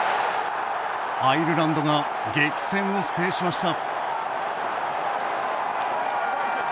アイルランドが激戦を制しました。